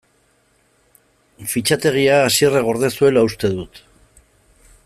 Fitxategia Asierrek gorde zuela uste dut.